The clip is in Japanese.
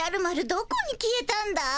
どこに消えたんだい？